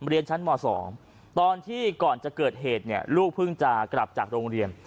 เรียนชั้นม๒ตอนที่ก่อนจะเกิดเหตุเนี่ยลูกเพิ่งจะกลับจากโรงเรียน